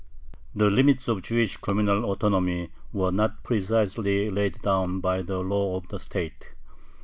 The limits of Jewish communal autonomy were not precisely laid down by the law of the state.